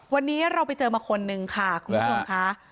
วันนี้เราไปเจอมาคนนึงค่ะคุณผู้ชมค่ะ